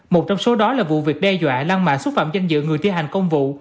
một trong số đó là vụ việc đe dọa lan mạ xúc phạm danh dự người thi hành công vụ